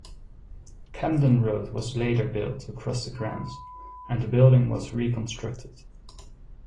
Camden Road was later built across the grounds, and the building was reconstructed.